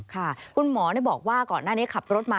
คุณหมอบอกว่าก่อนหน้านี้ขับรถมา